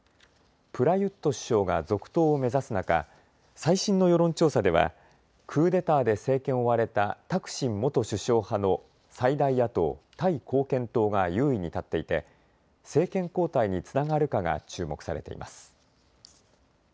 プラユット首相が続投を目指す中、最新の世論調査ではクーデターで政権を追われたタクシン元首相派の最大野党・タイ貢献党が優位に立っていて政権交代につながるかが注目されています。